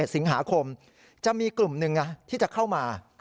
สิงหาคมจะมีกลุ่มหนึ่งที่จะเข้ามา